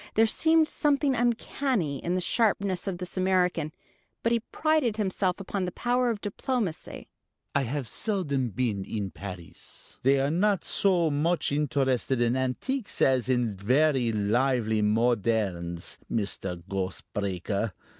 There seemed something uncanny in the sharpness of this American; but he prided himself upon the power of diplomacy. "I have seldom been in Paris: they are not so much interested in antiques as in very lively moderns, Mr. Ghost Breaker!...